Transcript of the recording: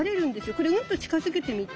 これうんと近づけてみて。